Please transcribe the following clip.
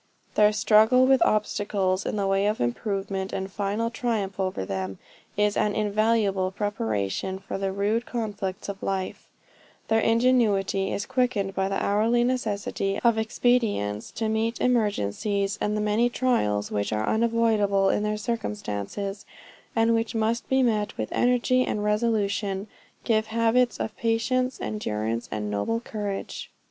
Their struggle with obstacles in the way of improvement, and final triumph over them, is an invaluable preparation for the rude conflicts of life; their ingenuity is quickened by the hourly necessity of expedients to meet emergencies, and the many trials which are unavoidable in their circumstances, and which must be met with energy and resolution, give habits of patient endurance, and noble courage.